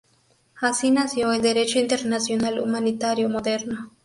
Así nació el derecho internacional humanitario moderno.